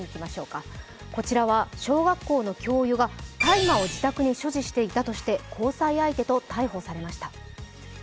こちらは小学校の教諭が大麻を自宅に所持していたとして交際相手と逮捕されました。